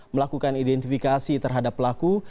melakukan identifikasi terhadap pelaku